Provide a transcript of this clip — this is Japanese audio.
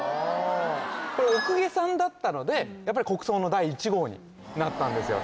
これお公家さんだったのでやっぱり国葬の第１号になったんですよ